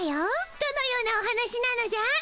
どのようなお話なのじゃ？